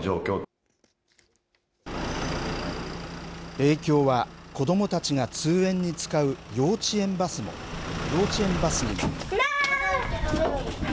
影響は子どもたちが通園に使う幼稚園バスにも。